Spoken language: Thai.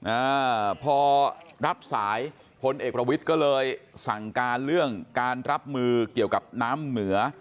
อ่าพอรับสายพลเอกประวิทย์ก็เลยสั่งการเรื่องการรับมือเกี่ยวกับน้ำเหนือ